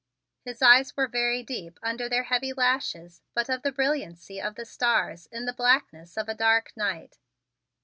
His eyes were very deep under their heavy lashes but of the brilliancy of the stars in the blackness of a dark night.